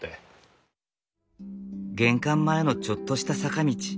玄関前のちょっとした坂道。